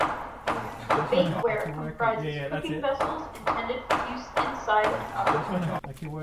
Bakeware comprises cooking vessels intended for use inside an oven.